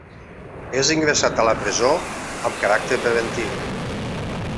És ingressat a la presó amb caràcter preventiu.